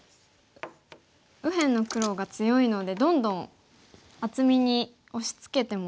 右辺の黒が強いのでどんどん厚みに押しつけても大丈夫ですね。